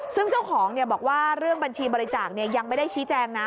ซึ่งเจ้าของบอกว่าเรื่องบัญชีบริจาคยังไม่ได้ชี้แจงนะ